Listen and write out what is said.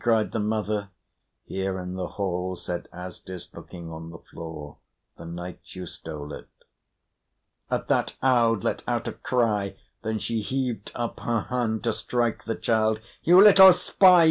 cried the mother. "Here in the hall," said Asdis, looking on the floor, "the night you stole it." At that Aud let out a cry. Then she heaved up her hand to strike the child. "You little spy!"